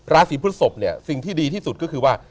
ราศีพฤศพเนี่ยสิ่งที่ดีที่สุดก็คือว่า